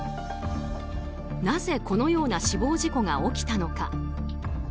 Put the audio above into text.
なぜ、このような死亡事故が起きたのか。